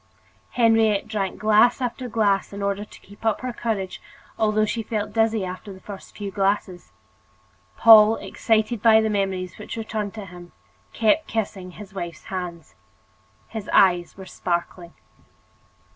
Henriette drank glass after glass in order to keep up her courage, although she felt dizzy after the first few glasses. Paul, excited by the memories which returned to him, kept kissing his wife's hands. His eyes were sparkling.